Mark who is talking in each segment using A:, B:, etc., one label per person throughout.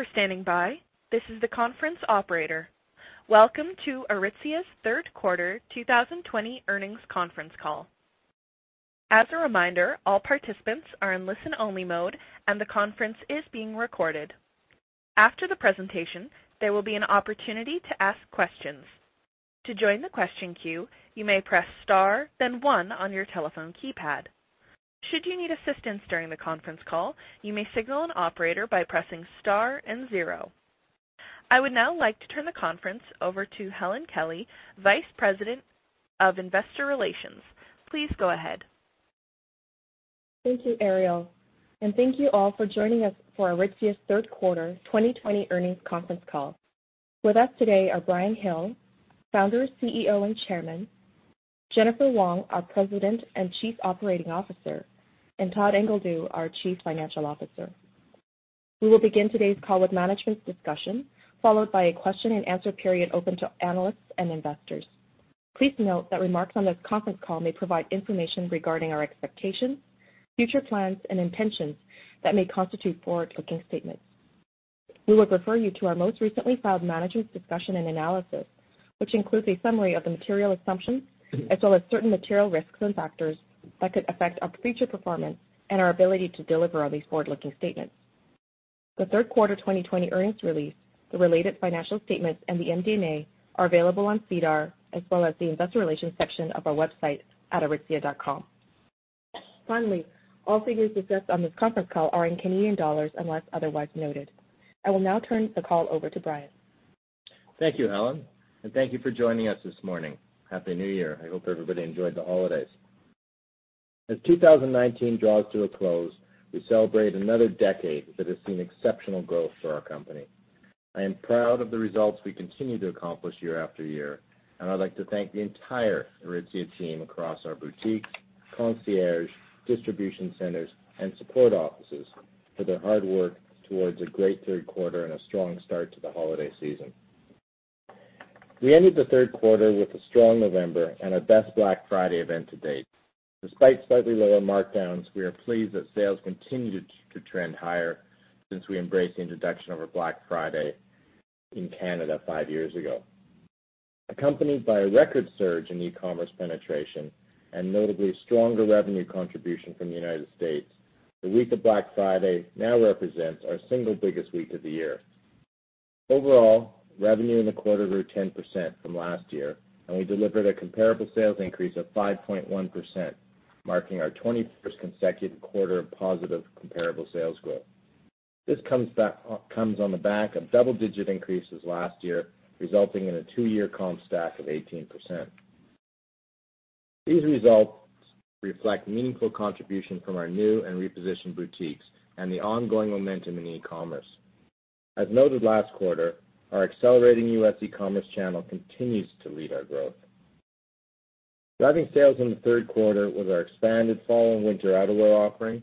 A: Thank you for standing by. This is the conference operator. Welcome to Aritzia's third quarter 2020 earnings conference call. As a reminder, all participants are in listen-only mode, and the conference is being recorded. After the presentation, there will be an opportunity to ask questions. To join the question queue, you may press star then one on your telephone keypad. Should you need assistance during the conference call, you may signal an operator by pressing star and zero. I would now like to turn the conference over to Helen Kelly, Vice President of Investor Relations. Please go ahead.
B: Thank you, Ariel, and thank you all for joining us for Aritzia's third quarter 2020 earnings conference call. With us today are Brian Hill, Founder, CEO, and Chairman, Jennifer Wong, our President and Chief Operating Officer, and Todd Ingledew, our Chief Financial Officer. We will begin today's call with management's discussion, followed by a question and answer period open to analysts and investors. Please note that remarks on this conference call may provide information regarding our expectations, future plans and intentions that may constitute forward-looking statements. We would refer you to our most recently filed MD&A, which includes a summary of the material assumptions as well as certain material risks and factors that could affect our future performance and our ability to deliver on these forward-looking statements. The third quarter 2020 earnings release, the related financial statements, and the MD&A are available on SEDAR as well as the investor relations section of our website at aritzia.com. Finally, all figures discussed on this conference call are in CAD unless otherwise noted. I will now turn the call over to Brian.
C: Thank you, Helen, and thank you for joining us this morning. Happy New Year. I hope everybody enjoyed the holidays. As 2019 draws to a close, we celebrate another decade that has seen exceptional growth for our company. I am proud of the results we continue to accomplish year after year, and I'd like to thank the entire Aritzia team across our boutique, concierge, distribution centers, and support offices for their hard work towards a great third quarter and a strong start to the holiday season. We ended the third quarter with a strong November and our best Black Friday event to date. Despite slightly lower markdowns, we are pleased that sales continued to trend higher since we embraced the introduction of our Black Friday in Canada five years ago. Accompanied by a record surge in e-commerce penetration and notably stronger revenue contribution from the United States, the week of Black Friday now represents our single biggest week of the year. Overall, revenue in the quarter grew 10% from last year, and we delivered a comparable sales increase of 5.1%, marking our 21st consecutive quarter of positive comparable sales growth. This comes on the back of double-digit increases last year, resulting in a two-year comp stack of 18%. These results reflect meaningful contribution from our new and repositioned boutiques and the ongoing momentum in e-commerce. As noted last quarter, our accelerating U.S. e-commerce channel continues to lead our growth. Driving sales in the third quarter was our expanded fall and winter outerwear offering.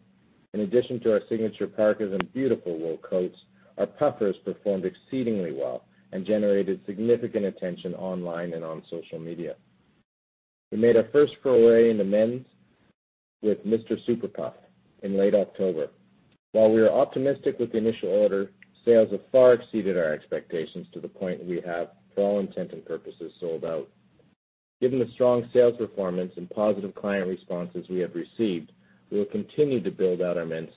C: In addition to our signature parkas and beautiful wool coats, our puffers performed exceedingly well and generated significant attention online and on social media. We made our first foray into men's with Mr. Super Puff in late October. While we are optimistic with the initial order, sales have far exceeded our expectations to the point that we have, for all intents and purposes, sold out. Given the strong sales performance and positive client responses we have received, we will continue to build out our men's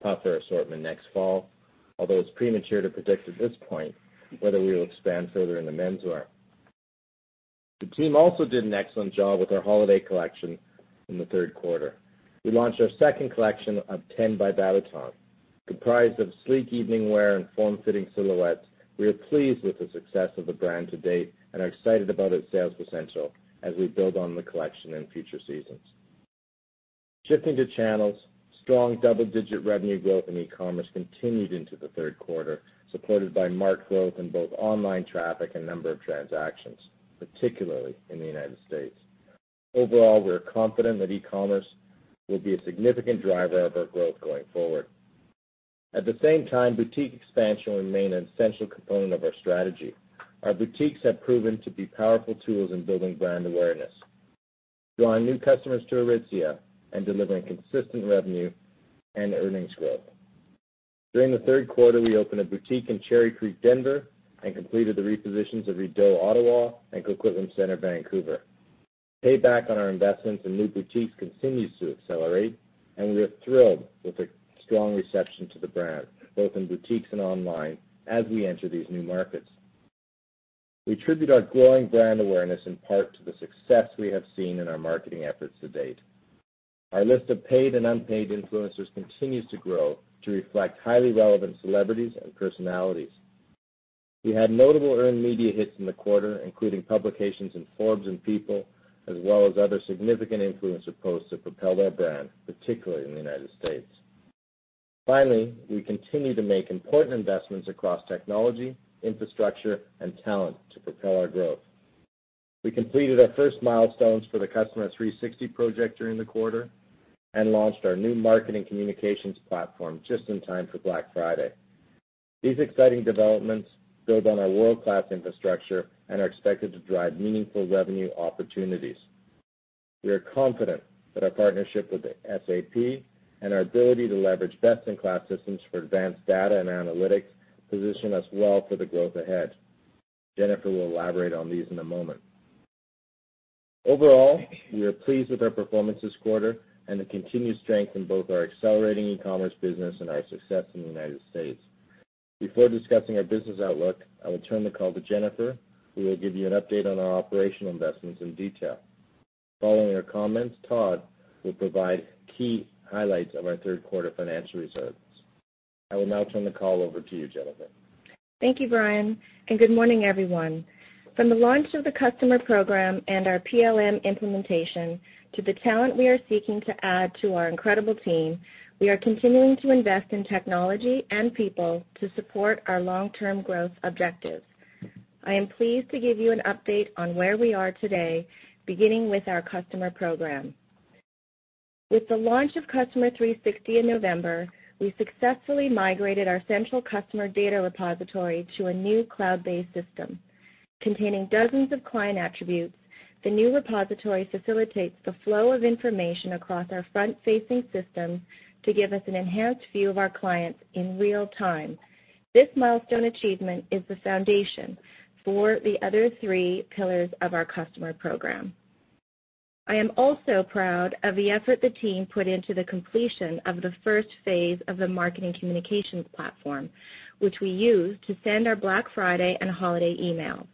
C: puffer assortment next fall. It's premature to predict at this point whether we will expand further in the menswear. The team also did an excellent job with our holiday collection in the third quarter. We launched our second collection of Ten by Babaton, comprised of sleek evening wear and form-fitting silhouettes. We are pleased with the success of the brand to date and are excited about its sales potential as we build on the collection in future seasons. Shifting to channels, strong double-digit revenue growth in e-commerce continued into the third quarter, supported by marked growth in both online traffic and number of transactions, particularly in the United States. Overall, we are confident that e-commerce will be a significant driver of our growth going forward. At the same time, boutique expansion will remain an essential component of our strategy. Our boutiques have proven to be powerful tools in building brand awareness, drawing new customers to Aritzia, and delivering consistent revenue and earnings growth. During the third quarter, we opened a boutique in Cherry Creek, Denver, and completed the repositions of Rideau, Ottawa, and Coquitlam Centre, Vancouver. Payback on our investments in new boutiques continues to accelerate, and we are thrilled with the strong reception to the brand, both in boutiques and online as we enter these new markets. We attribute our growing brand awareness in part to the success we have seen in our marketing efforts to date. Our list of paid and unpaid influencers continues to grow to reflect highly relevant celebrities and personalities. We had notable earned media hits in the quarter, including publications in Forbes and People, as well as other significant influencer posts that propelled our brand, particularly in the United States. Finally, we continue to make important investments across technology, infrastructure, and talent to propel our growth. We completed our first milestones for the Customer 360 project during the quarter and launched our new marketing communications platform just in time for Black Friday. These exciting developments build on our world-class infrastructure and are expected to drive meaningful revenue opportunities We are confident that our partnership with SAP and our ability to leverage best-in-class systems for advanced data and analytics position us well for the growth ahead. Jennifer will elaborate on these in a moment. Overall, we are pleased with our performance this quarter and the continued strength in both our accelerating e-commerce business and our success in the United States. Before discussing our business outlook, I will turn the call to Jennifer, who will give you an update on our operational investments in detail. Following her comments, Todd will provide key highlights of our third quarter financial results. I will now turn the call over to you, Jennifer.
D: Thank you, Brian, and good morning, everyone. From the launch of the Customer Program and our PLM implementation, to the talent we are seeking to add to our incredible team, we are continuing to invest in technology and people to support our long-term growth objectives. I am pleased to give you an update on where we are today, beginning with our Customer Program. With the launch of Customer 360 in November, we successfully migrated our central customer data repository to a new cloud-based system. Containing dozens of client attributes, the new repository facilitates the flow of information across our front-facing systems to give us an enhanced view of our clients in real time. This milestone achievement is the foundation for the other three pillars of our Customer Program. I am also proud of the effort the team put into the completion of the first phase of the marketing communications platform, which we use to send our Black Friday and holiday emails.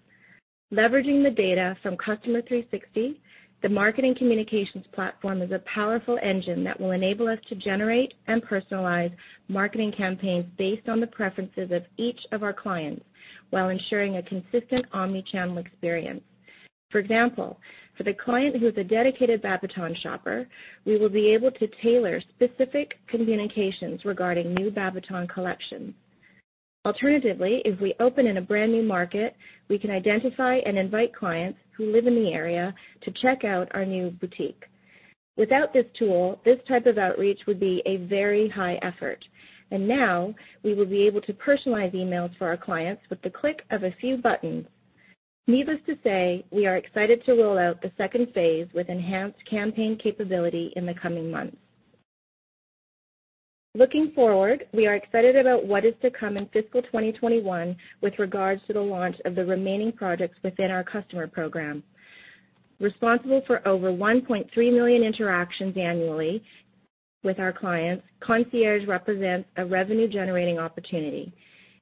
D: Leveraging the data from Customer 360, the marketing communications platform is a powerful engine that will enable us to generate and personalize marketing campaigns based on the preferences of each of our clients while ensuring a consistent omni-channel experience. For example, for the client who is a dedicated Babaton shopper, we will be able to tailor specific communications regarding new Babaton collections. Alternatively, if we open in a brand-new market, we can identify and invite clients who live in the area to check out our new boutique. Without this tool, this type of outreach would be a very high effort, and now we will be able to personalize emails for our clients with the click of a few buttons. Needless to say, we are excited to roll out the phase 2 with enhanced campaign capability in the coming months. Looking forward, we are excited about what is to come in fiscal 2021 with regards to the launch of the remaining projects within our customer program. Responsible for over 1.3 million interactions annually with our clients, concierge represents a revenue-generating opportunity.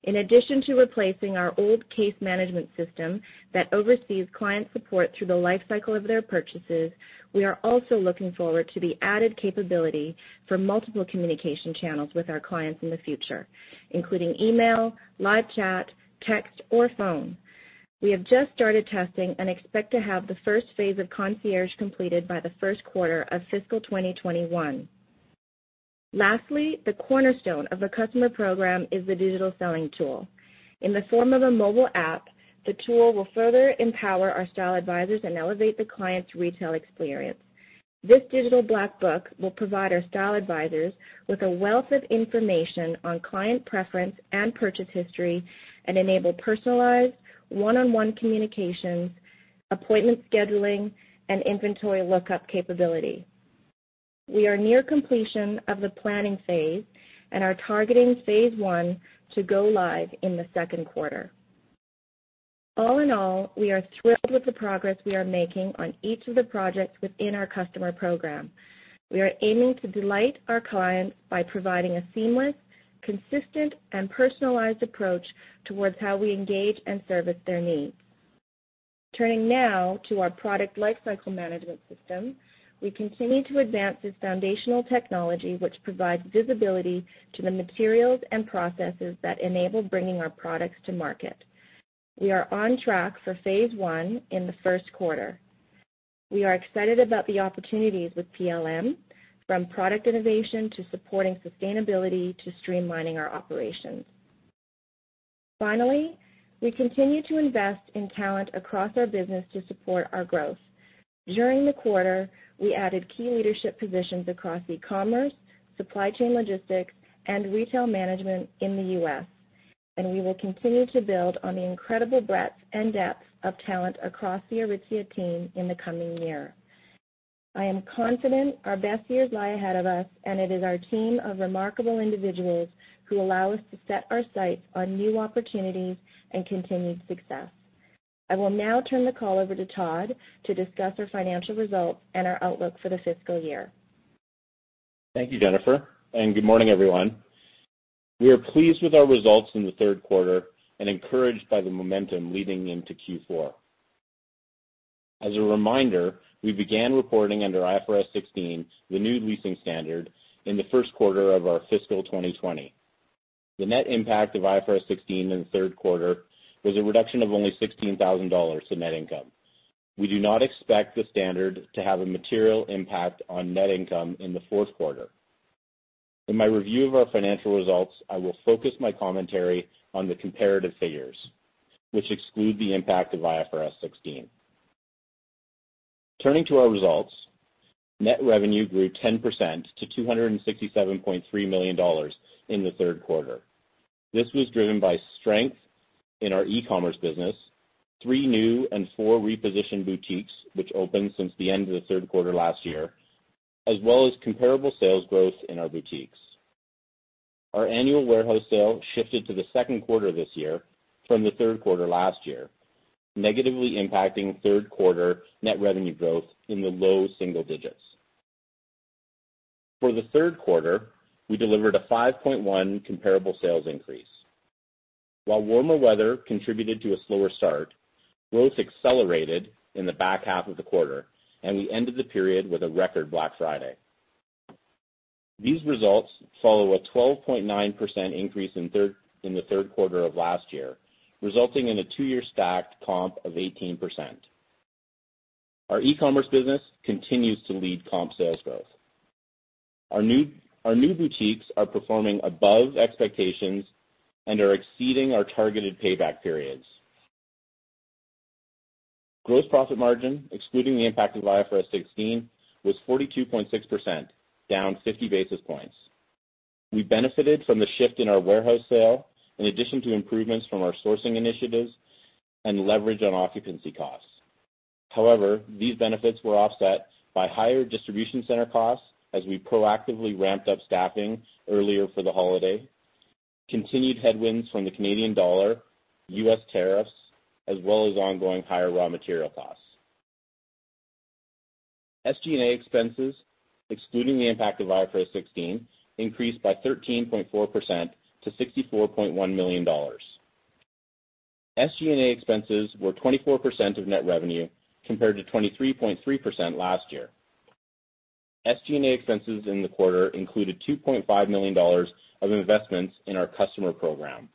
D: In addition to replacing our old case management system that oversees client support through the life cycle of their purchases, we are also looking forward to the added capability for multiple communication channels with our clients in the future, including email, live chat, text, or phone. We have just started testing and expect to have the first phase of concierge completed by the first quarter of fiscal 2021. Lastly, the cornerstone of the customer program is the digital selling tool. In the form of a mobile app, the tool will further empower our style advisors and elevate the client's retail experience. This digital black book will provide our style advisors with a wealth of information on client preference and purchase history and enable personalized one-on-one communications, appointment scheduling, and inventory lookup capability. We are near completion of the planning phase and are targeting phase 1 to go live in the second quarter. All in all, we are thrilled with the progress we are making on each of the projects within our customer program. We are aiming to delight our clients by providing a seamless, consistent, and personalized approach towards how we engage and service their needs. Turning now to our product lifecycle management system, we continue to advance this foundational technology, which provides visibility to the materials and processes that enable bringing our products to market. We are on track for phase 1 in the first quarter. We are excited about the opportunities with PLM, from product innovation to supporting sustainability to streamlining our operations. We continue to invest in talent across our business to support our growth. During the quarter, we added key leadership positions across e-commerce, supply chain logistics, and retail management in the U.S., and we will continue to build on the incredible breadth and depth of talent across the Aritzia team in the coming year. I am confident our best years lie ahead of us, and it is our team of remarkable individuals who allow us to set our sights on new opportunities and continued success. I will now turn the call over to Todd to discuss our financial results and our outlook for the fiscal year.
E: Thank you, Jennifer, and good morning, everyone. We are pleased with our results in the third quarter and encouraged by the momentum leading into Q4. As a reminder, we began reporting under IFRS 16, the new leasing standard, in the first quarter of our fiscal 2020. The net impact of IFRS 16 in the third quarter was a reduction of only 16,000 dollars to net income. We do not expect the standard to have a material impact on net income in the fourth quarter. In my review of our financial results, I will focus my commentary on the comparative figures, which exclude the impact of IFRS 16. Turning to our results, net revenue grew 10% to 267.3 million dollars in the third quarter. This was driven by strength in our e-commerce business, three new and four repositioned boutiques which opened since the end of the third quarter last year, as well as comparable sales growth in our boutiques. Our annual warehouse sale shifted to the second quarter this year from the third quarter last year, negatively impacting third quarter net revenue growth in the low single digits. For the third quarter, we delivered a 5.1% comparable sales increase. While warmer weather contributed to a slower start, growth accelerated in the back half of the quarter, we ended the period with a record Black Friday. These results follow a 12.9% increase in the third quarter of last year, resulting in a two-year stacked comp of 18%. Our e-commerce business continues to lead comp sales growth. Our new boutiques are performing above expectations and are exceeding our targeted payback periods. Gross profit margin, excluding the impact of IFRS 16, was 42.6%, down 50 basis points. We benefited from the shift in our warehouse sale, in addition to improvements from our sourcing initiatives and leverage on occupancy costs. However, these benefits were offset by higher distribution center costs as we proactively ramped up staffing earlier for the holiday, continued headwinds from the Canadian dollar, U.S. tariffs, as well as ongoing higher raw material costs. SG&A expenses, excluding the impact of IFRS 16, increased by 13.4% to 64.1 million dollars. SG&A expenses were 24% of net revenue, compared to 23.3% last year. SG&A expenses in the quarter included 2.5 million dollars of investments in our customer program.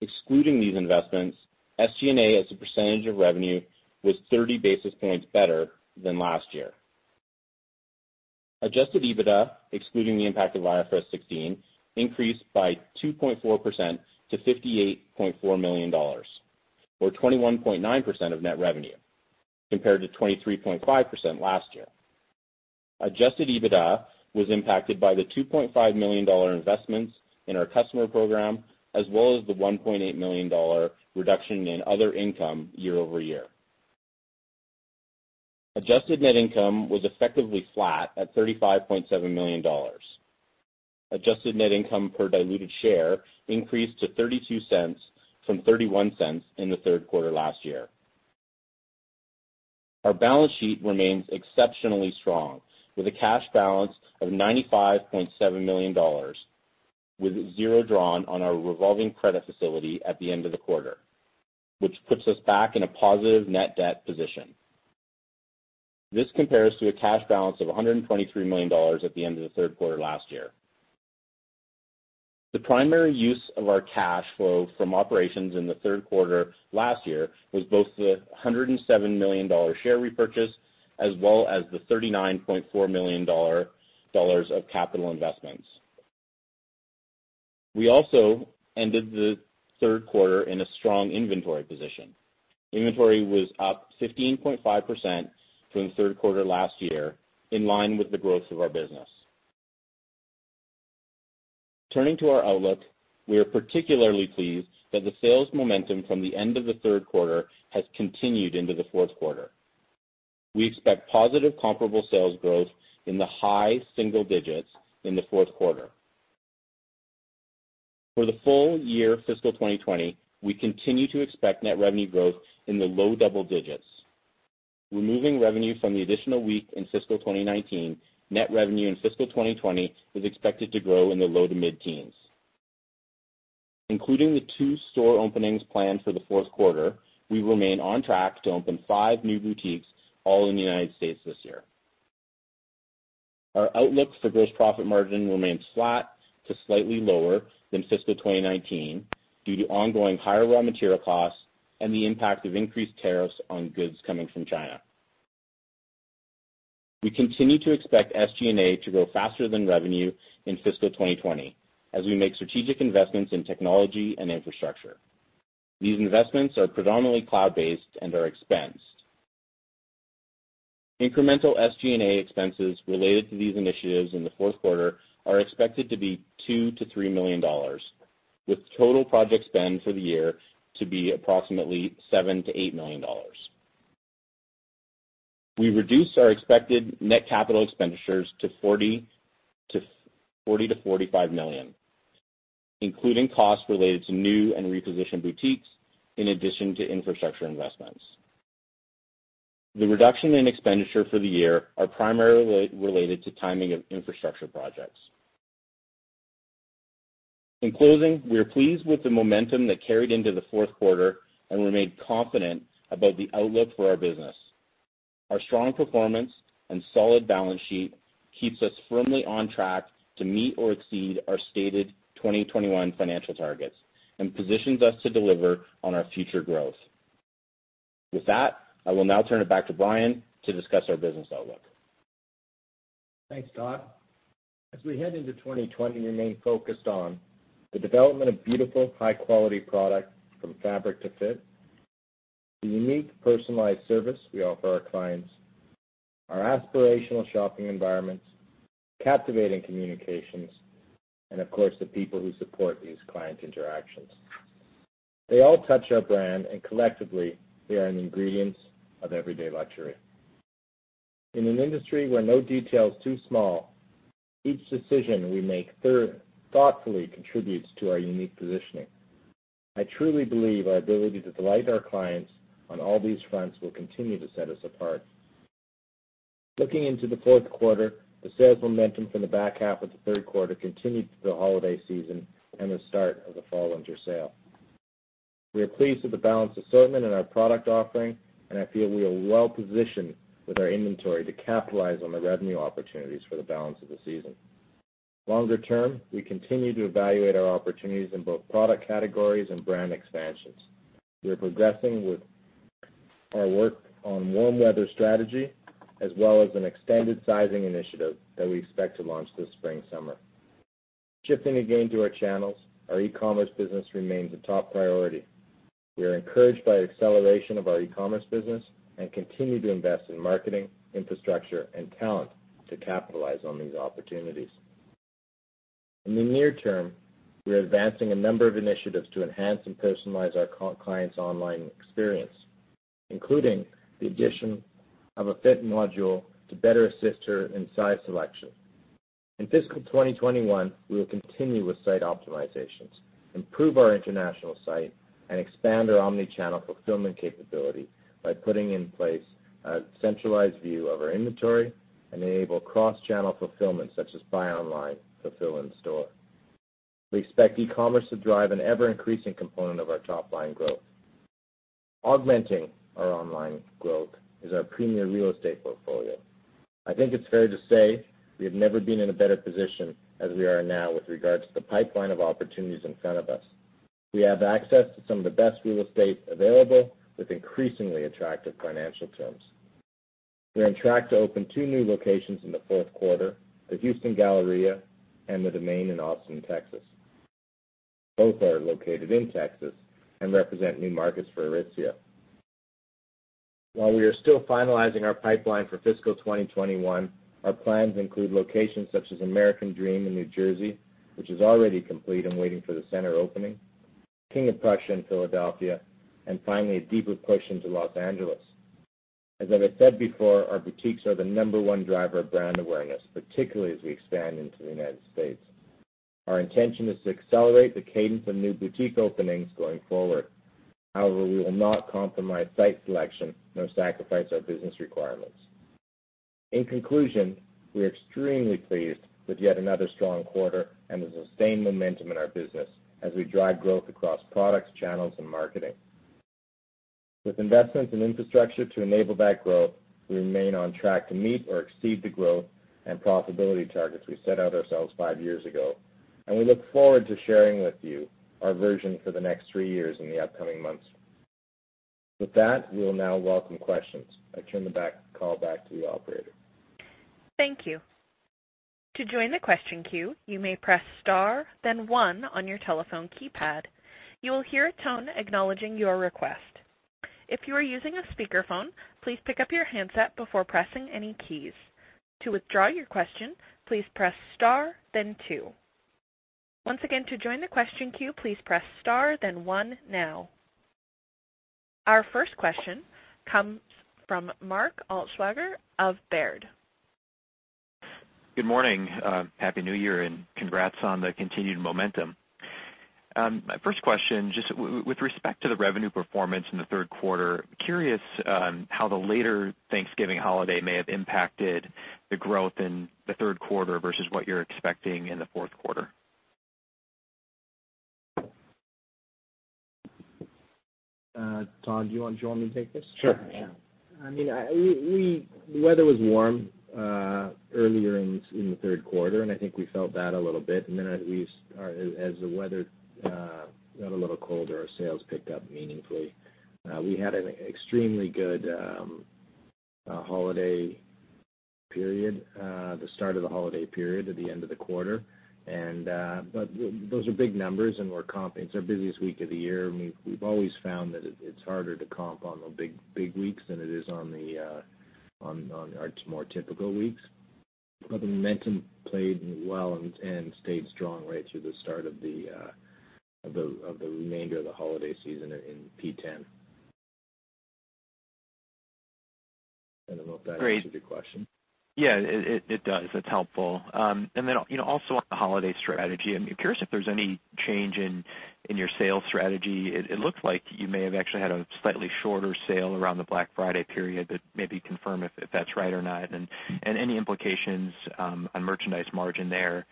E: Excluding these investments, SG&A as a percentage of revenue was 30 basis points better than last year. Adjusted EBITDA, excluding the impact of IFRS 16, increased by 2.4% to 58.4 million dollars, or 21.9% of net revenue, compared to 23.5% last year. Adjusted EBITDA was impacted by the 2.5 million dollar investments in our customer program, as well as the 1.8 million dollar reduction in other income year-over-year. Adjusted net income was effectively flat at 35.7 million dollars. Adjusted net income per diluted share increased to 0.32 from 0.31 in the third quarter last year. Our balance sheet remains exceptionally strong, with a cash balance of 95.7 million dollars, with zero drawn on our revolving credit facility at the end of the quarter, which puts us back in a positive net debt position. This compares to a cash balance of 123 million dollars at the end of the third quarter last year. The primary use of our cash flow from operations in the third quarter last year was both the 107 million dollar share repurchase as well as the 39.4 million dollars of capital investments. We also ended the third quarter in a strong inventory position. Inventory was up 15.5% from the third quarter last year, in line with the growth of our business. Turning to our outlook, we are particularly pleased that the sales momentum from the end of the third quarter has continued into the fourth quarter. We expect positive comparable sales growth in the high single digits in the fourth quarter. For the full year fiscal 2020, we continue to expect net revenue growth in the low double digits. Removing revenue from the additional week in fiscal 2019, net revenue in fiscal 2020 is expected to grow in the low to mid-teens. Including the two store openings planned for the fourth quarter, we remain on track to open five new boutiques all in the U.S. this year. Our outlook for gross profit margin remains flat to slightly lower than fiscal 2019 due to ongoing higher raw material costs and the impact of increased tariffs on goods coming from China. We continue to expect SG&A to grow faster than revenue in fiscal 2020 as we make strategic investments in technology and infrastructure. These investments are predominantly cloud-based and are expensed. Incremental SG&A expenses related to these initiatives in the fourth quarter are expected to be 2 million-3 million dollars, with total project spend for the year to be approximately 7 million-8 million dollars. We reduced our expected net capital expenditures to 40 million-45 million, including costs related to new and repositioned boutiques in addition to infrastructure investments. The reduction in expenditure for the year are primarily related to timing of infrastructure projects. In closing, we are pleased with the momentum that carried into the fourth quarter and remain confident about the outlook for our business. Our strong performance and solid balance sheet keeps us firmly on track to meet or exceed our stated 2021 financial targets and positions us to deliver on our future growth. With that, I will now turn it back to Brian to discuss our business outlook.
C: Thanks, Todd. As we head into 2020, we remain focused on the development of beautiful, high-quality product from fabric to fit. The unique personalized service we offer our clients, our aspirational shopping environments, captivating communications, and of course, the people who support these client interactions. They all touch our brand, and collectively they are the ingredients of everyday luxury. In an industry where no detail is too small, each decision we make thoughtfully contributes to our unique positioning. I truly believe our ability to delight our clients on all these fronts will continue to set us apart. Looking into the fourth quarter, the sales momentum from the back half of the third quarter continued through the holiday season and the start of the fall winter sale. We are pleased with the balanced assortment in our product offering, and I feel we are well-positioned with our inventory to capitalize on the revenue opportunities for the balance of the season. Longer term, we continue to evaluate our opportunities in both product categories and brand expansions. We are progressing with our work on warm weather strategy as well as an extended sizing initiative that we expect to launch this spring/summer. Shifting again to our channels, our e-commerce business remains a top priority. We are encouraged by the acceleration of our e-commerce business and continue to invest in marketing, infrastructure, and talent to capitalize on these opportunities. In the near term, we are advancing a number of initiatives to enhance and personalize our client's online experience, including the addition of a fit module to better assist her in size selection. In fiscal 2021, we will continue with site optimizations, improve our international site, and expand our omni-channel fulfillment capability by putting in place a centralized view of our inventory and enable cross-channel fulfillment such as buy online, fulfill in store. We expect e-commerce to drive an ever-increasing component of our top-line growth. Augmenting our online growth is our premier real estate portfolio. I think it's fair to say we have never been in a better position as we are now with regards to the pipeline of opportunities in front of us. We have access to some of the best real estate available with increasingly attractive financial terms. We are on track to open two new locations in the fourth quarter, the Houston Galleria and The Domain in Austin, Texas. Both are located in Texas and represent new markets for Aritzia. While we are still finalizing our pipeline for fiscal 2021, our plans include locations such as American Dream in New Jersey, which is already complete and waiting for the center opening, King of Prussia in Philadelphia, and finally, a deeper push into Los Angeles. As I have said before, our boutiques are the number one driver of brand awareness, particularly as we expand into the United States. Our intention is to accelerate the cadence of new boutique openings going forward. However, we will not compromise site selection nor sacrifice our business requirements. In conclusion, we are extremely pleased with yet another strong quarter and the sustained momentum in our business as we drive growth across products, channels, and marketing. With investments in infrastructure to enable that growth, we remain on track to meet or exceed the growth and profitability targets we set out ourselves five years ago. We look forward to sharing with you our vision for the next three years in the upcoming months. With that, we will now welcome questions. I turn the call back to the operator.
A: Thank you. To join the question queue, you may press star then one on your telephone keypad. You will hear a tone acknowledging your request. If you are using a speakerphone, please pick up your handset before pressing any keys. To withdraw your question, please press star then two. Once again, to join the question queue, please press star then one now. Our first question comes from Mark Altschwager of Baird.
F: Good morning. Happy New Year. Congrats on the continued momentum. My first question, just with respect to the revenue performance in the third quarter, curious how the later Thanksgiving holiday may have impacted the growth in the third quarter versus what you're expecting in the fourth quarter?
C: Todd, do you want to join me to take this?
E: Sure.
C: The weather was warm earlier in the third quarter. I think we felt that a little bit. As the weather got a little colder, our sales picked up meaningfully. We had an extremely good holiday period, the start of the holiday period at the end of the quarter. Those are big numbers, and it's our busiest week of the year, and we've always found that it's harder to comp on the big weeks than it is on our more typical weeks. The momentum played well and stayed strong right through the start of the remainder of the holiday season in P10. I don't know if that answers your question.
F: Yeah, it does. That's helpful. Also on the holiday strategy, I'm curious if there's any change in your sales strategy. It looks like you may have actually had a slightly shorter sale around the Black Friday period, but maybe confirm if that's right or not, and any implications on merchandise margin there.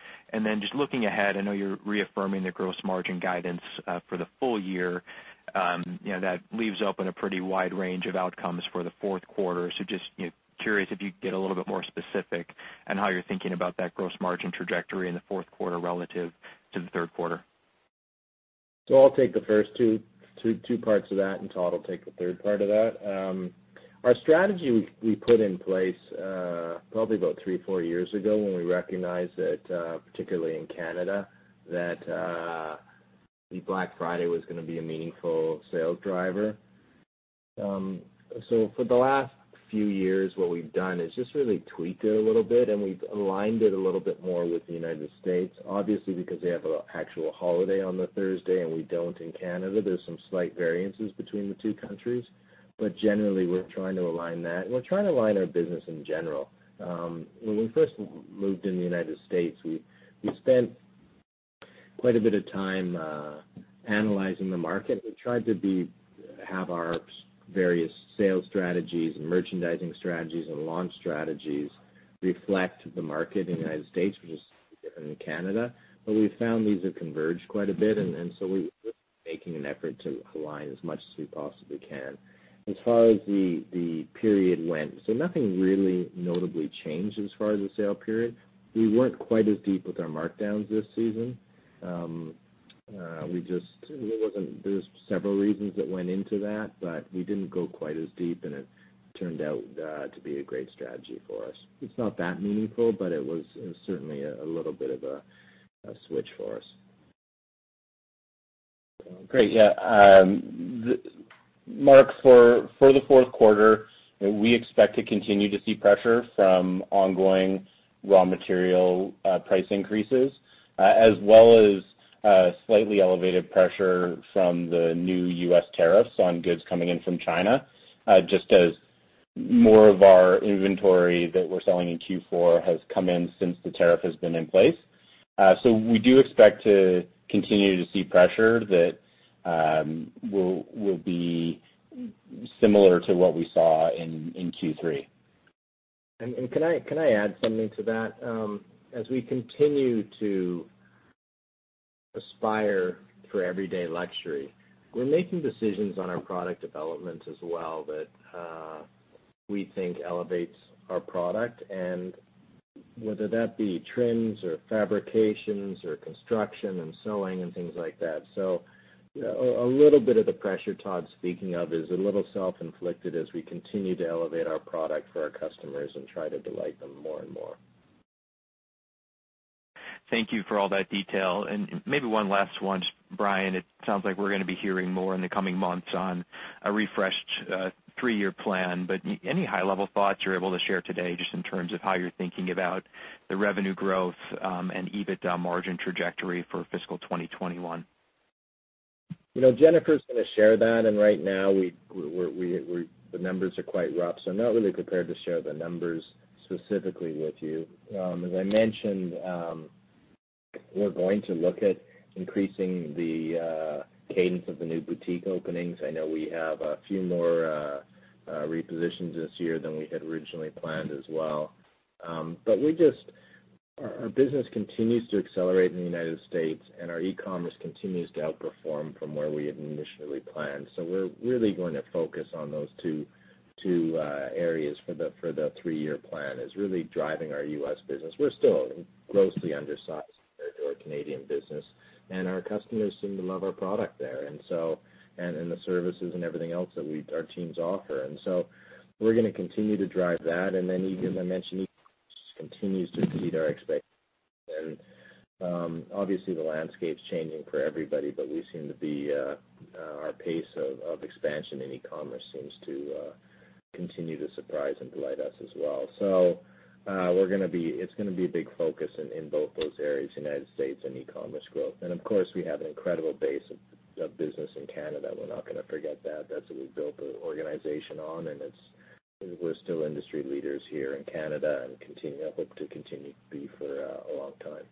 F: Just looking ahead, I know you're reaffirming the gross margin guidance for the full year. That leaves open a pretty wide range of outcomes for the fourth quarter. Just curious if you could get a little bit more specific on how you're thinking about that gross margin trajectory in the fourth quarter relative to the third quarter.
C: I'll take the first two parts of that, and Todd will take the third part of that. Our strategy we put in place probably about three, four years ago when we recognized that, particularly in Canada, that Black Friday was going to be a meaningful sales driver. For the last few years, what we've done is just really tweaked it a little bit, and we've aligned it a little bit more with the United States. Obviously, because they have an actual holiday on the Thursday and we don't in Canada, there's some slight variances between the two countries. Generally, we're trying to align that, and we're trying to align our business in general. When we first moved in the United States, we spent quite a bit of time analyzing the market. We tried to have our various sales strategies and merchandising strategies and launch strategies reflect the market in the United States, which is different than Canada. We've found these have converged quite a bit, and so we're making an effort to align as much as we possibly can. As far as the period went, so nothing really notably changed as far as the sale period. We weren't quite as deep with our markdowns this season. There's several reasons that went into that, but we didn't go quite as deep, and it turned out to be a great strategy for us. It's not that meaningful, but it was certainly a little bit of a switch for us.
E: Great. Yeah. Mark, for the fourth quarter, we expect to continue to see pressure from ongoing raw material price increases as well as slightly elevated pressure from the new U.S. tariffs on goods coming in from China, just as more of our inventory that we're selling in Q4 has come in since the tariff has been in place. We do expect to continue to see pressure that will be similar to what we saw in Q3.
C: Can I add something to that? As we continue to aspire for everyday luxury, we are making decisions on our product development as well that we think elevates our product, and whether that be trims or fabrications or construction and sewing and things like that. A little bit of the pressure Todd's speaking of is a little self-inflicted as we continue to elevate our product for our customers and try to delight them more and more.
F: Thank you for all that detail. Maybe one last one, Brian. It sounds like we're going to be hearing more in the coming months on a refreshed three-year plan. Any high-level thoughts you're able to share today just in terms of how you're thinking about the revenue growth and EBITDA margin trajectory for fiscal 2021?
C: Jennifer's going to share that. Right now the numbers are quite rough. I'm not really prepared to share the numbers specifically with you. As I mentioned, we're going to look at increasing the cadence of the new boutique openings. I know we have a few more repositions this year than we had originally planned as well. Our business continues to accelerate in the U.S., and our e-commerce continues to outperform from where we had initially planned. We're really going to focus on those two areas for the three-year plan, is really driving our U.S. business. We're still grossly undersized compared to our Canadian business, and our customers seem to love our product there and the services and everything else that our teams offer. We're going to continue to drive that. As I mentioned, e-commerce continues to exceed our expectations. Obviously, the landscape's changing for everybody, but our pace of expansion in e-commerce seems to continue to surprise and delight us as well. It's going to be a big focus in both those areas, United States and e-commerce growth. Of course, we have an incredible base of business in Canada. We're not going to forget that. That's what we've built the organization on, and we're still industry leaders here in Canada and hope to continue to be for a long time.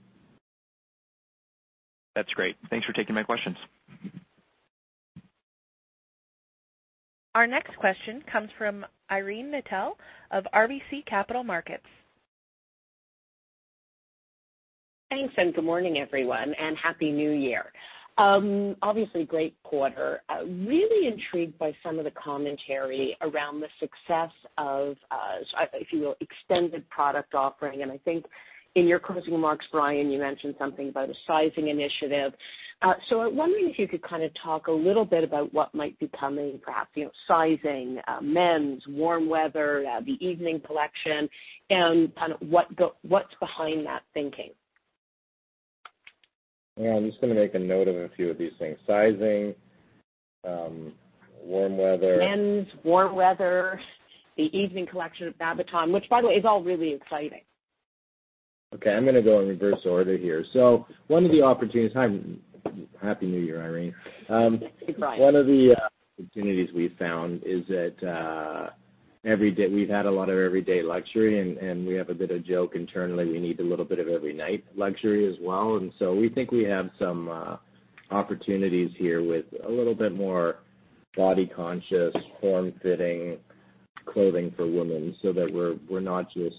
F: That's great. Thanks for taking my questions.
A: Our next question comes from Irene Nattel of RBC Capital Markets.
G: Thanks, good morning, everyone, and Happy New Year. Obviously great quarter. Really intrigued by some of the commentary around the success of, if you will, extended product offering. I think in your closing remarks, Brian, you mentioned something about a sizing initiative. I'm wondering if you could talk a little bit about what might be coming, perhaps sizing, men's, warm weather, the evening collection, and what's behind that thinking.
C: Yeah, I'm just going to make a note of a few of these things. Sizing, warm weather.
G: Men's, warm weather, the evening collection of Babaton, which by the way, is all really exciting.
C: Okay, I'm going to go in reverse order here. Hi. Happy New Year, Irene.
G: Thanks, Brian.
C: One of the opportunities we've found is that we've had a lot of everyday luxury, and we have a bit of joke internally, we need a little bit of every night luxury as well. We think we have some opportunities here with a little bit more body conscious, form-fitting clothing for women so that we're not just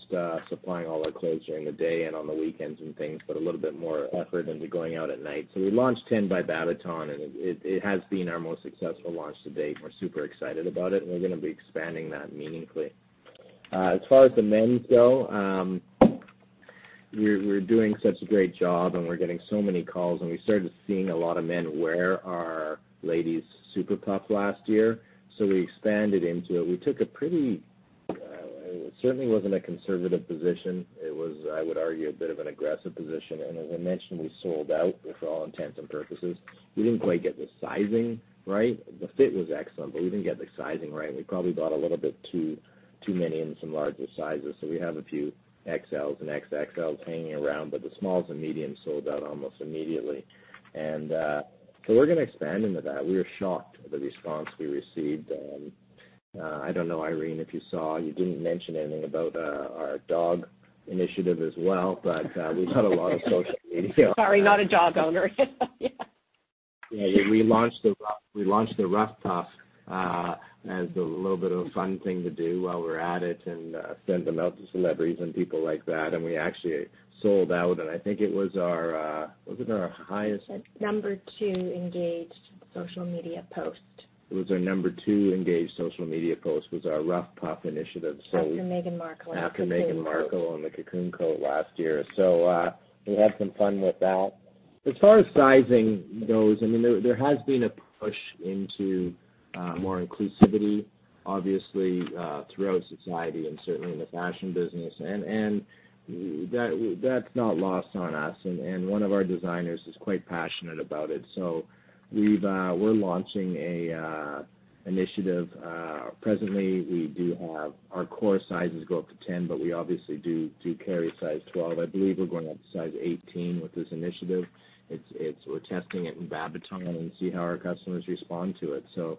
C: supplying all our clothes during the day and on the weekends and things, but a little bit more effort into going out at night. We launched 10 by Babaton, and it has been our most successful launch to date. We're super excited about it, and we're going to be expanding that meaningfully. As far as the men's go, we're doing such a great job, and we're getting so many calls, and we started seeing a lot of men wear our ladies' Super Puff last year, so we expanded into it. It certainly wasn't a conservative position. It was, I would argue, a bit of an aggressive position. As I mentioned, we sold out for all intents and purposes. We didn't quite get the sizing right. The fit was excellent, but we didn't get the sizing right, and we probably bought a little bit too many in some larger sizes. We have a few XLs and XXLs hanging around, but the smalls and mediums sold out almost immediately. We're going to expand into that. We were shocked at the response we received. I don't know, Irene, if you saw. You didn't mention anything about our dog initiative as well, but we've done a lot of social media.
G: Sorry, not a dog owner.
C: Yeah, we launched the Ruff Puff as the little bit of a fun thing to do while we're at it and sent them out to celebrities and people like that, and we actually sold out, and I think it was our highest-.
D: Number two engaged social media post.
C: It was our number two engaged social media post was our Ruff Puff initiative.
D: After Meghan Markle and the Cocoon Coat.
C: After Meghan Markle and the Cocoon Coat last year. We had some fun with that. As far as sizing goes, there has been a push into more inclusivity, obviously, throughout society and certainly in the fashion business, and that's not lost on us. One of our designers is quite passionate about it, so we're launching an initiative. Presently, our core sizes go up to 10, but we obviously do carry size 12. I believe we're going up to size 18 with this initiative. We're testing it in Babaton and see how our customers respond to it.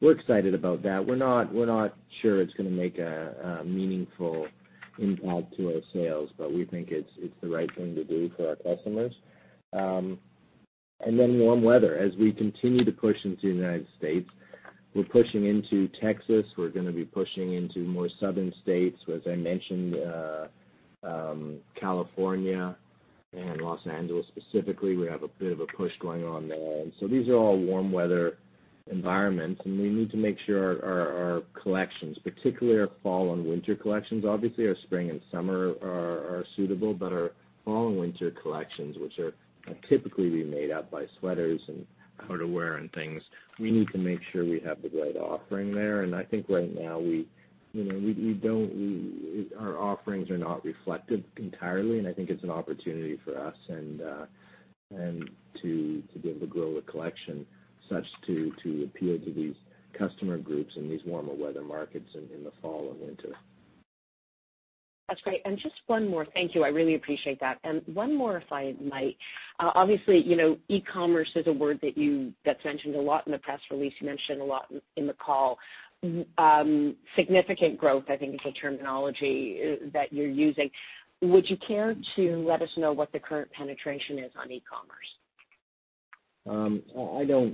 C: We're excited about that. We're not sure it's going to make a meaningful impact to our sales, but we think it's the right thing to do for our customers. Warm weather. As we continue to push into the U.S., we're pushing into Texas. We're going to be pushing into more southern states. As I mentioned, California and Los Angeles specifically, we have a bit of a push going on there. These are all warm weather environments, and we need to make sure our collections, particularly our fall and winter collections, obviously our spring and summer are suitable, but our fall and winter collections, which are typically made up by sweaters and outerwear and things, we need to make sure we have the right offering there. I think right now our offerings are not reflected entirely, and I think it's an opportunity for us to be able to grow a collection such to appeal to these customer groups in these warmer weather markets in the fall and winter.
G: That's great. Thank you. I really appreciate that. One more, if I might. Obviously, e-commerce is a word that's mentioned a lot in the press release, you mentioned a lot in the call. Significant growth, I think, is the terminology that you're using. Would you care to let us know what the current penetration is on e-commerce?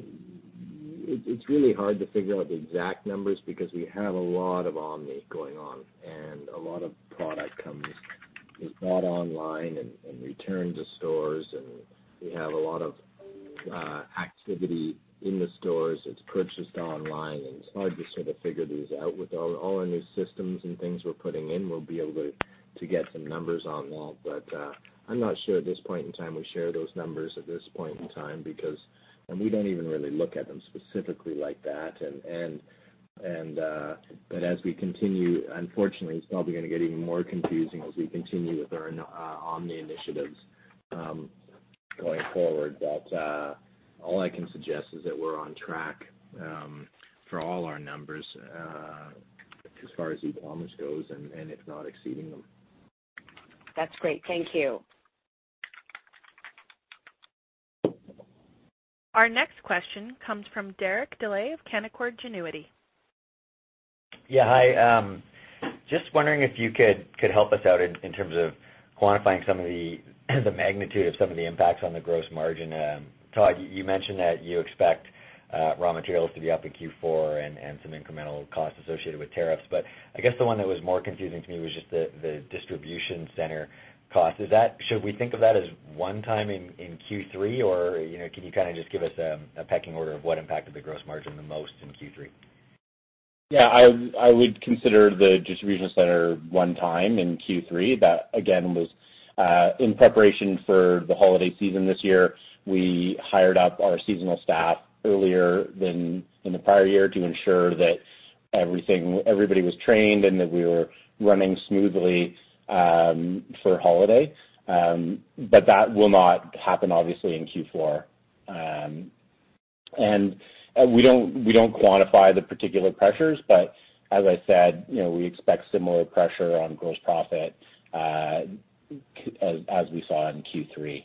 C: It's really hard to figure out the exact numbers because we have a lot of omni going on, and a lot of product is bought online and returned to stores, and we have a lot of activity in the stores. It's purchased online, and it's hard to sort of figure these out. With all our new systems and things we're putting in, we'll be able to get some numbers on that. I'm not sure at this point in time we share those numbers at this point in time because we don't even really look at them specifically like that. As we continue, unfortunately, it's probably going to get even more confusing as we continue with our omni initiatives going forward. All I can suggest is that we're on track for all our numbers as far as e-commerce goes, and if not exceeding them.
G: That's great. Thank you.
A: Our next question comes from Derek Dley of Canaccord Genuity.
H: Yeah, hi. Just wondering if you could help us out in terms of quantifying some of the magnitude of some of the impacts on the gross margin. Todd, you mentioned that you expect raw materials to be up in Q4 and some incremental costs associated with tariffs. I guess the one that was more confusing to me was just the distribution center cost. Should we think of that as one time in Q3, or can you just give us a pecking order of what impacted the gross margin the most in Q3?
E: Yeah, I would consider the distribution center one time in Q3. That, again, was in preparation for the holiday season this year. We hired up our seasonal staff earlier than in the prior year to ensure that everybody was trained and that we were running smoothly for holiday. That will not happen, obviously, in Q4. We don't quantify the particular pressures, but as I said, we expect similar pressure on gross profit as we saw in Q3.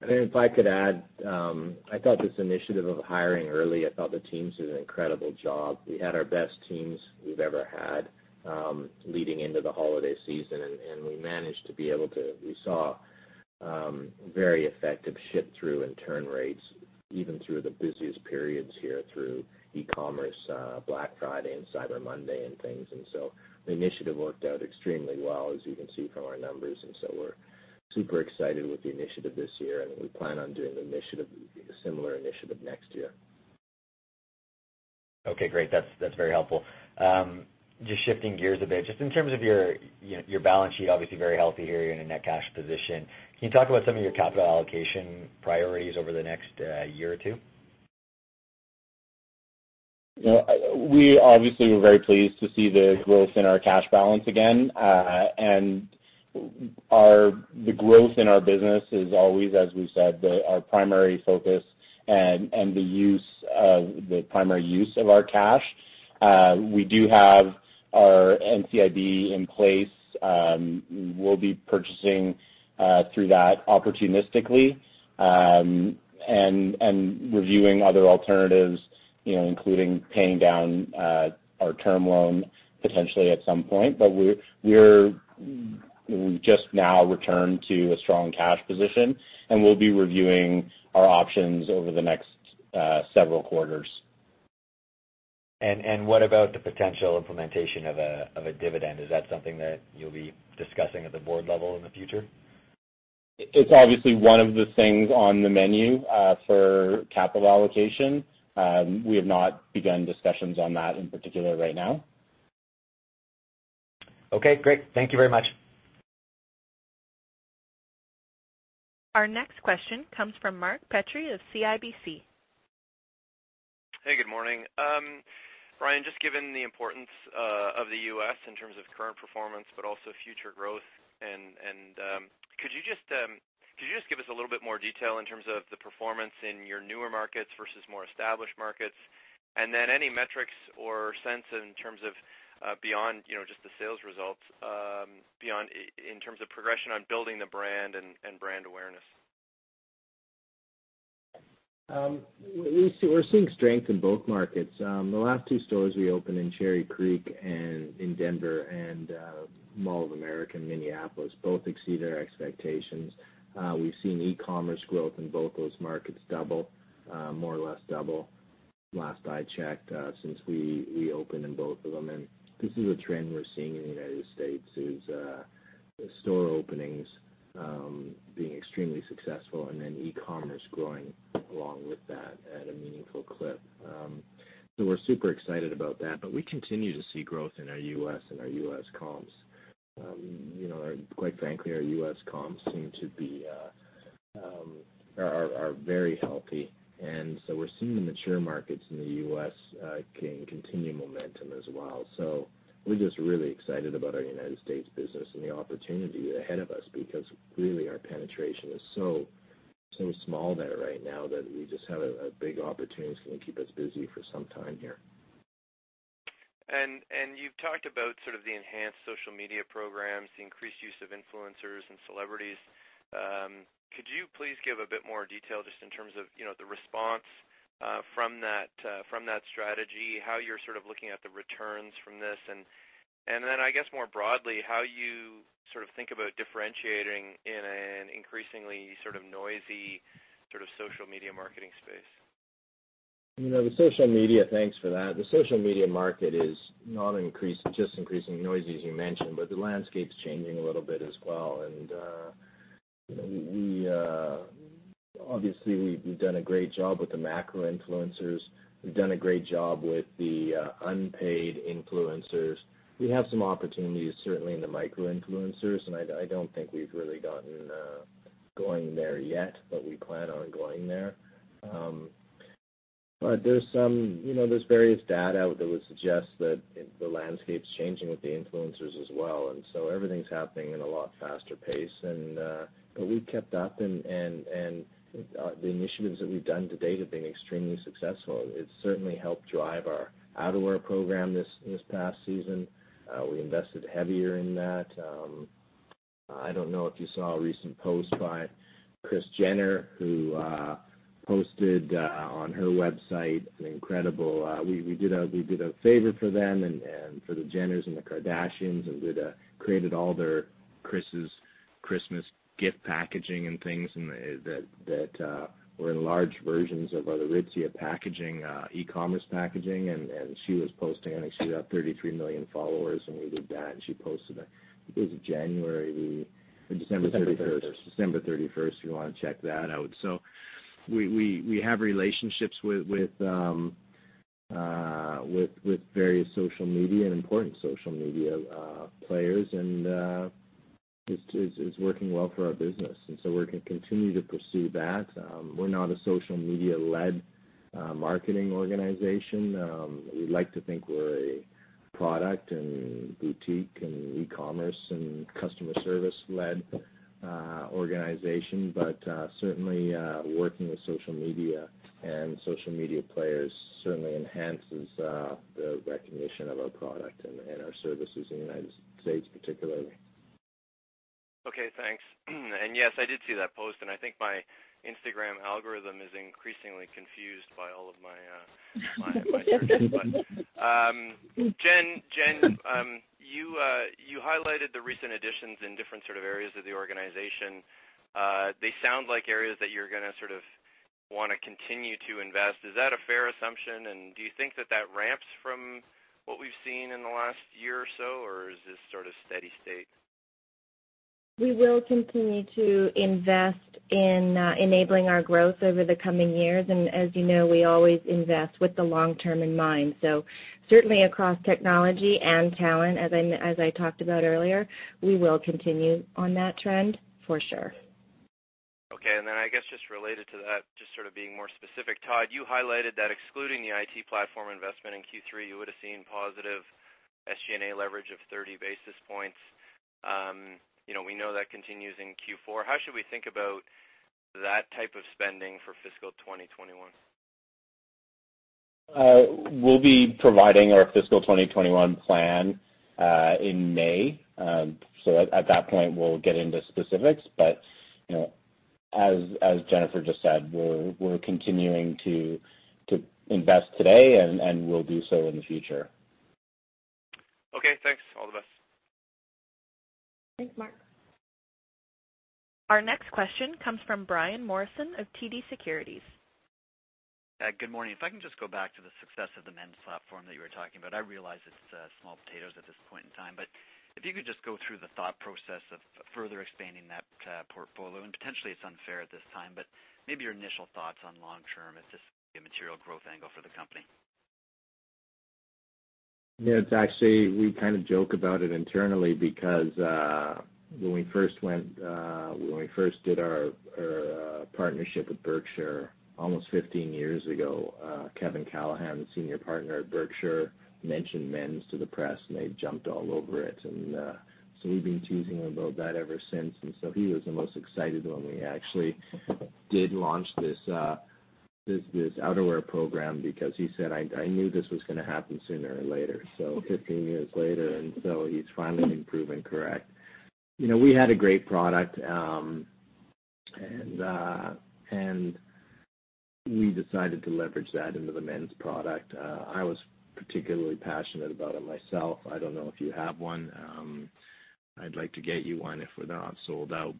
C: If I could add, I thought this initiative of hiring early, I thought the teams did an incredible job. We had our best teams we've ever had leading into the holiday season, and we saw very effective ship-through and turn rates even through the busiest periods here through e-commerce, Black Friday, and Cyber Monday and things. The initiative worked out extremely well, as you can see from our numbers, and so we're super excited with the initiative this year, and we plan on doing a similar initiative next year.
H: Okay, great. That's very helpful. Just shifting gears a bit, just in terms of your balance sheet, obviously very healthy here. You're in a net cash position. Can you talk about some of your capital allocation priorities over the next year or two?
E: We obviously were very pleased to see the growth in our cash balance again. The growth in our business is always, as we've said, our primary focus and the primary use of our cash. We do have our NCIB in place. We'll be purchasing through that opportunistically, and reviewing other alternatives, including paying down our term loan potentially at some point. We've just now returned to a strong cash position, and we'll be reviewing our options over the next several quarters.
H: What about the potential implementation of a dividend? Is that something that you'll be discussing at the board level in the future?
E: It's obviously one of the things on the menu for capital allocation. We have not begun discussions on that in particular right now.
H: Okay, great. Thank you very much.
A: Our next question comes from Mark Petrie of CIBC.
I: Hey, good morning. Brian, just given the importance of the U.S. in terms of current performance, but also future growth, could you just give us a little bit more detail in terms of the performance in your newer markets versus more established markets? Any metrics or sense in terms of beyond, just the sales results, in terms of progression on building the brand and brand awareness.
C: We're seeing strength in both markets. The last two stores we opened in Cherry Creek and in Denver and Mall of America in Minneapolis both exceeded our expectations. We've seen e-commerce growth in both those markets double, more or less double last I checked, since we opened in both of them. This is a trend we're seeing in the U.S., is the store openings being extremely successful and then e-commerce growing along with that at a meaningful clip. We're super excited about that, but we continue to see growth in our U.S. and our U.S. comps. Quite frankly, our U.S. comps are very healthy, and so we're seeing the mature markets in the U.S. gain continued momentum as well. We're just really excited about our United States business and the opportunity ahead of us, because really our penetration is so small there right now that we just have big opportunities that will keep us busy for some time here.
I: You've talked about the enhanced social media programs, the increased use of influencers and celebrities. Could you please give a bit more detail just in terms of the response from that strategy, how you're sort of looking at the returns from this, and then, I guess more broadly, how you think about differentiating in an increasingly noisy social media marketing space?
C: Thanks for that. The social media market is not just increasingly noisy, as you mentioned. The landscape's changing a little bit as well. Obviously, we've done a great job with the macro influencers. We've done a great job with the unpaid influencers. We have some opportunities, certainly in the micro influencers. I don't think we've really gotten going there yet. We plan on going there. There's various data out there that suggests that the landscape's changing with the influencers as well. Everything's happening at a much faster pace. We've kept up. The initiatives that we've done to date have been extremely successful. It certainly helped drive our outerwear program this past season. We invested heavier in that. I don't know if you saw a recent post by Kris Jenner, who posted on her website. We did a favor for them and for the Jenners and the Kardashians, and created all their, Kris' Christmas gift packaging and things that were enlarged versions of the Aritzia packaging, e-commerce packaging. She was posting. I think she's got 33 million followers. We did that, and she posted it. I think it was January or December 31st. December 31st, if you want to check that out. We have relationships with various social media and important social media players, and it's working well for our business, and we're going to continue to pursue that. We're not a social media-led marketing organization. We like to think we're a product and boutique and e-commerce and customer service-led organization. Certainly working with social media and social media players certainly enhances the recognition of our product and our services in the United States particularly.
I: Okay, thanks. Yes, I did see that post, and I think my Instagram algorithm is increasingly confused by all of my targets. Jen, you highlighted the recent additions in different areas of the organization. They sound like areas that you're going to want to continue to invest. Is that a fair assumption, and do you think that that ramps from what we've seen in the last year or so, or is this sort of steady state?
D: We will continue to invest in enabling our growth over the coming years. As you know, we always invest with the long term in mind. Certainly across technology and talent, as I talked about earlier, we will continue on that trend for sure.
I: Okay. Then I guess just related to that, just sort of being more specific, Todd, you highlighted that excluding the IT platform investment in Q3, you would have seen positive SG&A leverage of 30 basis points. We know that continues in Q4. How should we think about that type of spending for fiscal 2021?
E: We'll be providing our fiscal 2021 plan in May. At that point, we'll get into specifics. As Jennifer just said, we're continuing to invest today and we'll do so in the future.
I: Okay, thanks, all the best.
D: Thanks, Mark.
A: Our next question comes from Brian Morrison of TD Securities.
J: Good morning. If I can just go back to the success of the men's platform that you were talking about. I realize it's small potatoes at this point in time, but if you could just go through the thought process of further expanding that portfolio, and potentially it's unfair at this time, but maybe your initial thoughts on long term, if this could be a material growth angle for the company.
C: Yes, actually, we kind of joke about it internally because when we first did our partnership with Berkshire almost 15 years ago, Kevin Callahan, senior partner at Berkshire, mentioned men's to the press, and they jumped all over it. We've been teasing him about that ever since. He was the most excited when we actually did launch this outerwear program because he said, "I knew this was going to happen sooner or later." 15 years later, he's finally been proven correct. We had a great product, and we decided to leverage that into the men's product. I was particularly passionate about it myself. I don't know if you have one. I'd like to get you one if we're not sold out.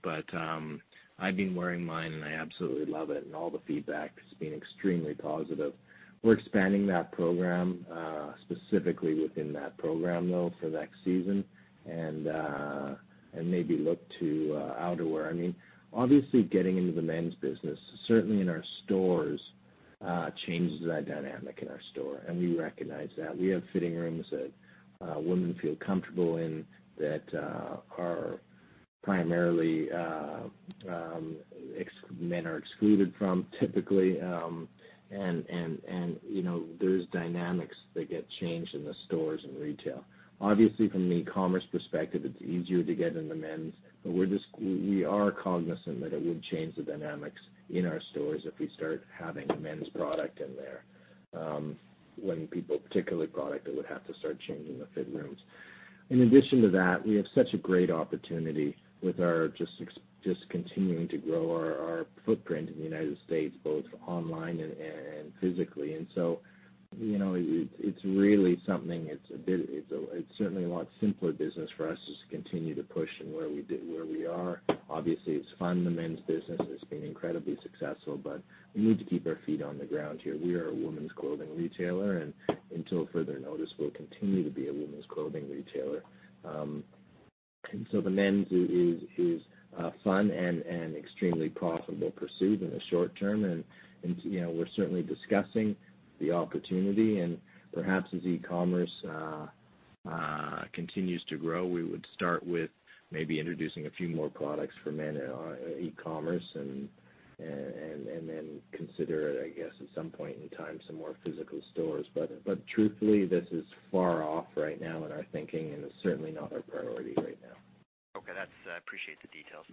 C: I've been wearing mine, and I absolutely love it, and all the feedback has been extremely positive.
E: We're expanding that program, specifically within that program, though, for next season and maybe look to outerwear. Getting into the men's business, certainly in our stores, changes that dynamic in our store, and we recognize that. We have fitting rooms that women feel comfortable in that are primarily men are excluded from typically, and there's dynamics that get changed in the stores and retail. From an e-commerce perspective, it's easier to get into men's, but we are cognizant that it would change the dynamics in our stores if we start having a men's product in there. particular product that would have to start changing the fit rooms. In addition to that, we have such a great opportunity with our just continuing to grow our footprint in the U.S., both online and physically.
C: It's certainly a lot simpler business for us just to continue to push in where we are. Obviously, it's fun, the men's business, it's been incredibly successful, but we need to keep our feet on the ground here. We are a women's clothing retailer, and until further notice, we'll continue to be a women's clothing retailer. The men's is a fun and extremely profitable pursuit in the short term, and we're certainly discussing the opportunity, and perhaps as e-commerce continues to grow, we would start with maybe introducing a few more products for men on e-commerce and then consider it, I guess, at some point in time, some more physical stores. Truthfully, this is far off right now in our thinking, and it's certainly not our priority right now.
J: Okay. I appreciate the details.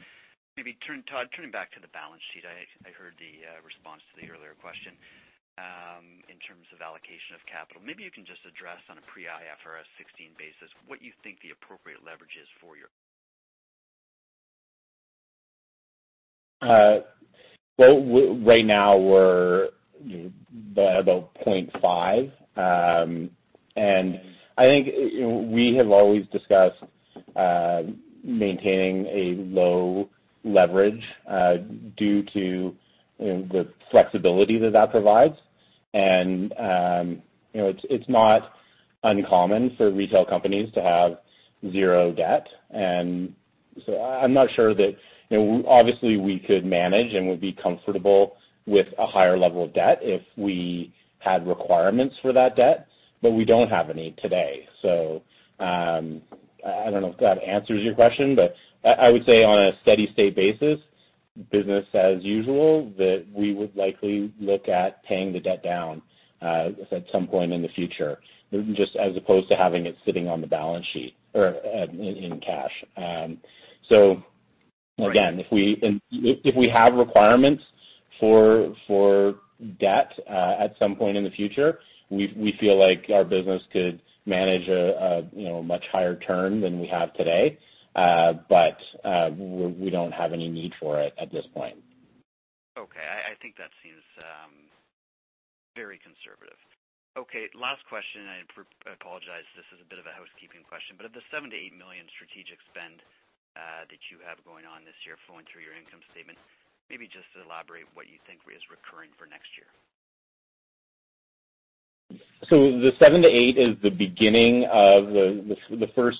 J: Maybe, Todd, turning back to the balance sheet. I heard the response to the earlier question in terms of allocation of capital. Maybe you can just address on a pre IFRS 16 basis what you think the appropriate leverage is for your
E: Right now, we're about 0.5. I think we have always discussed maintaining a low leverage due to the flexibility that that provides. It's not uncommon for retail companies to have zero debt. Obviously, we could manage and would be comfortable with a higher level of debt if we had requirements for that debt, but we don't have any today. I don't know if that answers your question, but I would say on a steady-state basis, business as usual, that we would likely look at paying the debt down at some point in the future, just as opposed to having it sitting on the balance sheet or in cash. Again, if we have requirements for debt at some point in the future, we feel like our business could manage a much higher term than we have today. We don't have any need for it at this point.
J: Okay. I think that seems very conservative. Okay, last question, I apologize, this is a bit of a housekeeping question. Of the 7 million-8 million strategic spend that you have going on this year flowing through your income statement, maybe just elaborate what you think is recurring for next year?
E: The 7 million-8 million is the beginning of the first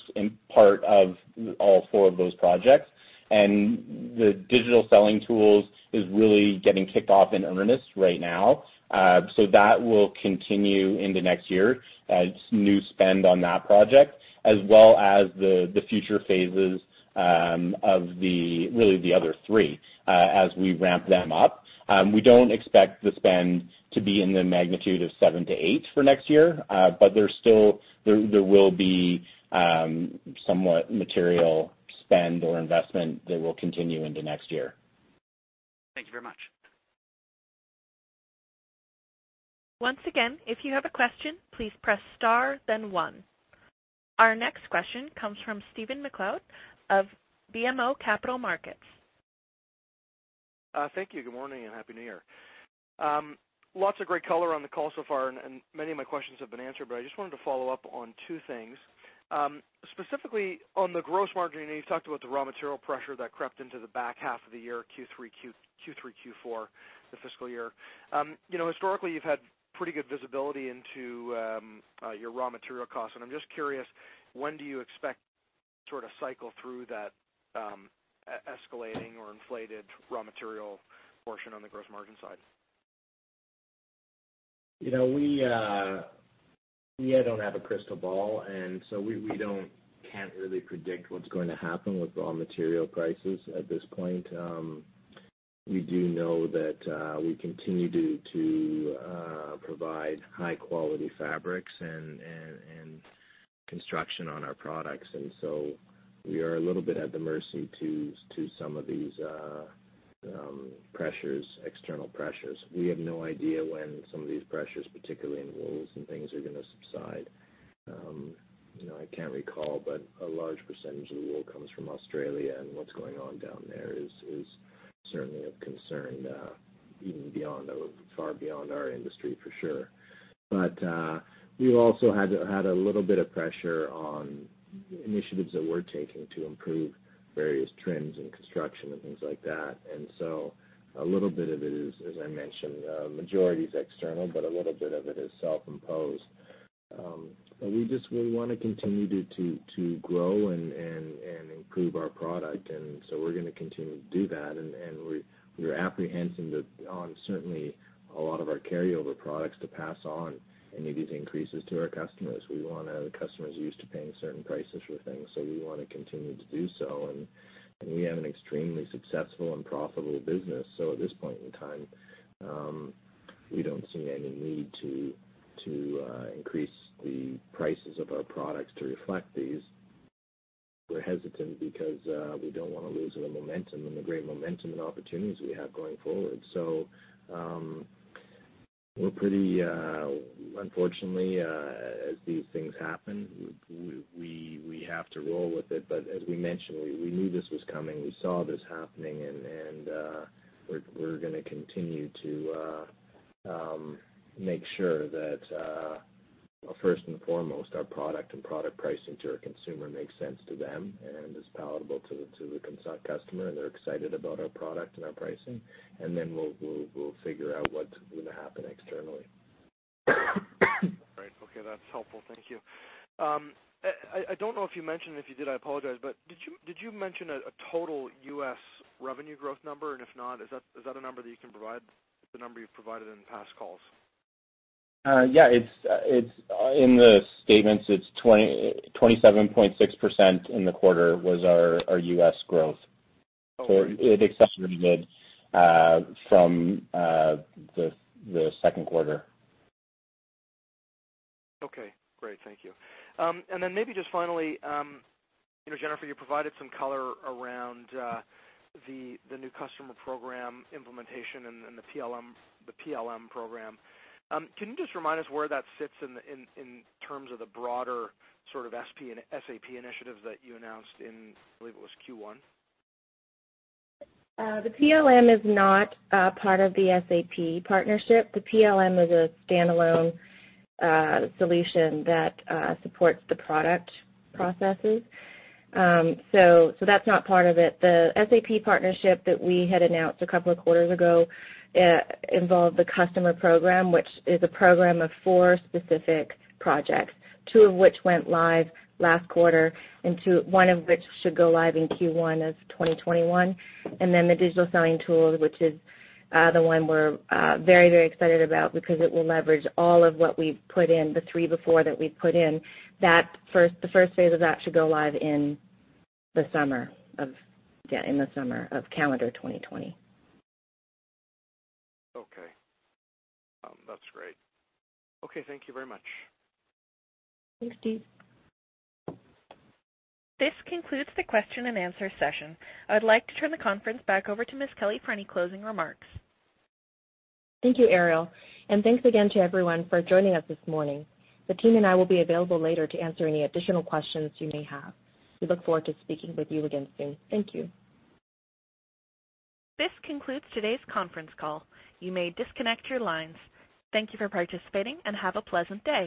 E: part of all four of those projects. The digital selling tools is really getting kicked off in earnest right now. That will continue into next year as new spend on that project, as well as the future phases of really the other three, as we ramp them up. We don't expect the spend to be in the magnitude of 7 million-8 million for next year. There will be somewhat material spend or investment that will continue into next year.
J: Thank you very much.
A: Once again, if you have a question, please press star then one. Our next question comes from Stephen MacLeod of BMO Capital Markets.
K: Thank you. Good morning, and happy New Year. Lots of great color on the call so far, and many of my questions have been answered, but I just wanted to follow up on two things. Specifically, on the gross margin, I know you've talked about the raw material pressure that crept into the back half of the year, Q3, Q4 of the fiscal year. Historically, you've had pretty good visibility into your raw material costs, and I'm just curious, when do you expect to sort of cycle through that escalating or inflated raw material portion on the gross margin side?
C: We don't have a crystal ball, and so we can't really predict what's going to happen with raw material prices at this point. We do know that we continue to provide high quality fabrics and construction on our products, and so we are a little bit at the mercy to some of these external pressures. We have no idea when some of these pressures, particularly in wools and things, are going to subside. I can't recall, but a large percentage of the wool comes from Australia, and what's going on down there is certainly of concern even far beyond our industry, for sure. We've also had a little bit of pressure on initiatives that we're taking to improve various trends in construction and things like that. A little bit of it is, as I mentioned, majority is external, but a little bit of it is self-imposed. We want to continue to grow and improve our product. We're going to continue to do that. We are apprehensive on certainly a lot of our carryover products to pass on any of these increases to our customers. The customer is used to paying certain prices for things, so we want to continue to do so. We have an extremely successful and profitable business. At this point in time, we don't see any need to increase the prices of our products to reflect these. We're hesitant because we don't want to lose the momentum and the great momentum and opportunities we have going forward. Unfortunately, as these things happen, we have to roll with it. As we mentioned, we knew this was coming, we saw this happening, and we're going to continue to make sure that, first and foremost, our product and product pricing to our consumer makes sense to them and is palatable to the customer, and they're excited about our product and our pricing. Then we'll figure out what would happen externally.
K: All right. Okay. That's helpful. Thank you. I don't know if you mentioned, if you did, I apologize, but did you mention a total U.S. revenue growth number? If not, is that a number that you can provide, the number you've provided in past calls?
E: Yeah. In the statements, it's 27.6% in the quarter was our U.S. growth. Okay. It accelerated from the second quarter.
K: Okay, great. Thank you. Maybe just finally, Jennifer, you provided some color around the new customer program implementation and the PLM program. Can you just remind us where that sits in terms of the broader sort of SAP initiatives that you announced in, I believe it was Q1?
D: The PLM is not a part of the SAP partnership. The PLM is a standalone solution that supports the product processes. That's not part of it. The SAP partnership that we had announced a couple of quarters ago involved the customer program, which is a program of four specific projects, two of which went live last quarter and one of which should go live in Q1 of 2021. The digital selling tool, which is the one we're very excited about because it will leverage all of what we've put in the three before that we've put in. The first phase of that should go live in the summer of calendar 2020.
K: Okay. That's great. Okay, thank you very much.
D: Thanks, Stephen.
A: This concludes the question and answer session. I'd like to turn the conference back over to Helen Kelly for any closing remarks.
B: Thank you, Ariel, and thanks again to everyone for joining us this morning. The team and I will be available later to answer any additional questions you may have. We look forward to speaking with you again soon. Thank you.
A: This concludes today's conference call. You may disconnect your lines. Thank you for participating, and have a pleasant day.